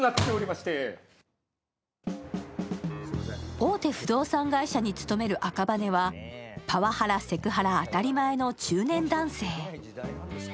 大手不動産会社に勤める赤羽はパワハラ・セクハラ当たり前の中年男性。